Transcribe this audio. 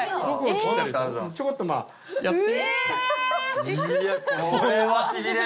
いや。